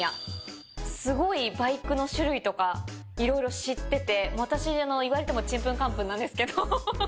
すごいバイクの種類とかいろいろ知ってて私言われてもちんぷんかんぷんなんですけど。